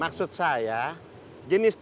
eh ada dari penegak